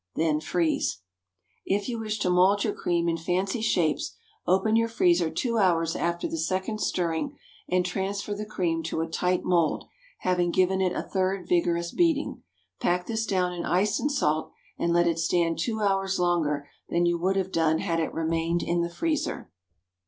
Then freeze. If you wish to mould your cream in fancy shapes, open your freezer two hours after the second stirring and transfer the cream to a tight mould, having given it a third vigorous beating. Pack this down in ice and salt, and let it stand two hours longer than you would have done had it remained in the freezer.